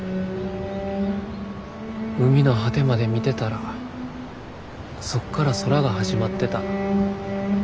海の果てまで見てたらそっから空が始まってた。